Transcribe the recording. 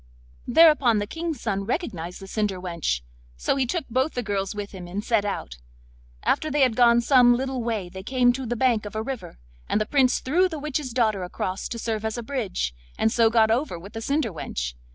Thereupon the King's son recognised the cinder wench; so he took both the girls with him, and set out. After they had gone some little way they came to the bank of a river, and the Prince threw the witch's daughter across to serve as a bridge, and so got over with the cinder wench.